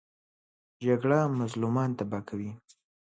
جګړه مظلومان تباه کوي